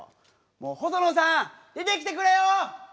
もう細野さん出てきてくれよ！